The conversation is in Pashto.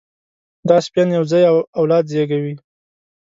دا سپيان یو ځای اولاد زېږوي.